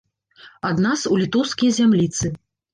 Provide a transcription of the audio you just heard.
Ад нас у літоўскія зямліцы.